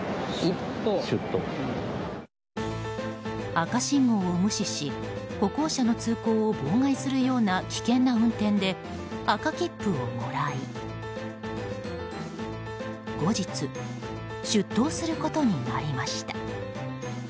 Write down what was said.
赤信号を無視し歩行者の通行を妨害するような危険な運転で赤切符をもらい後日、出頭することになりました。